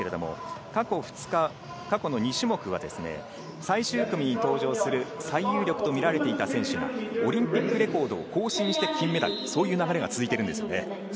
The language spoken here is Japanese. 過去２日、過去２種目は最終組に登場する最有力と見られていた選手がオリンピックレコードを更新して金メダル、そういう流れが続いています。